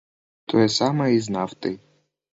Тое самае і з нафтай.